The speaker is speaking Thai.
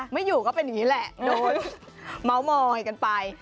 ไม่อยู่ก็เป็นอย่างนี้แหละโดนเมาส์มอยกันไป